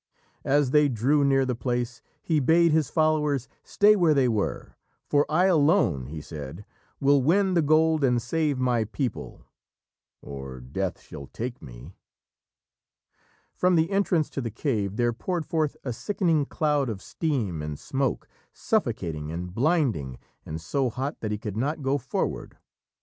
As they drew near the place, he bade his followers stay where they were, "For I alone," he said, "will win the gold and save my people, or Death shall take me." From the entrance to the cave there poured forth a sickening cloud of steam and smoke, suffocating and blinding, and so hot that he could not go forward.